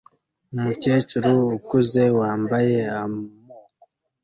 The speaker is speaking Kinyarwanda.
Umukecuru ukuze wambaye amoko